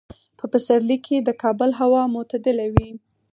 په پسرلي کې د کابل هوا معتدله وي.